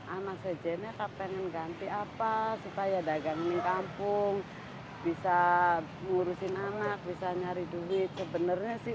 anas aja enak pengen ganti apa supaya dagang kampung bisa ngurusin anak bisa nyari duit sebenarnya sih